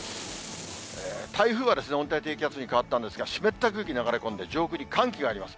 台風は温帯低気圧に変わったんですが、湿った空気流れ込んで、上空に寒気があります。